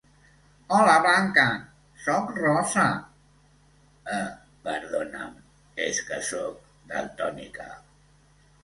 -Hola Blanca. -Soc Rosa. -Ah, perdona'm, és que soc daltònica.